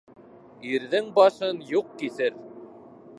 Ирҙең башын юҡ киҫер.